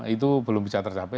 itu belum bisa tercapai